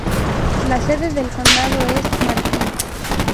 La sede del condado es Martin.